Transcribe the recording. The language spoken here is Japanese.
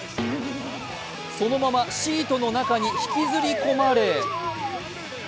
そのままシートの中に引きずり込まれ